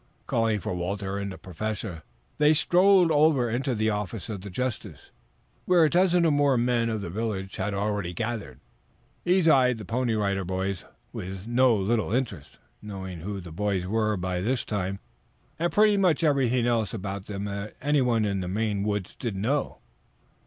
Calling for Walter and the Professor they strolled into the office of the justice, where a dozen or more men of the village had already gathered. These eyed the Pony Rider Boys with no little interest, knowing who the boys were by this time, and pretty much everything else about them that anyone in the Maine Woods did know.